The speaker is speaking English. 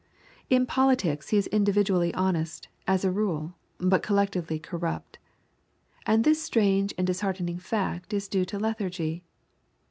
In politics he is individually honest, as a rule, but collectively corrupt. And this strange and disheartening fact is due to lethargy.